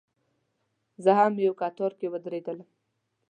زه هم یو کتار کې ودرېدلم.